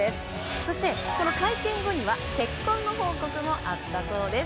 そして会見後には結婚の報告もあったそうです。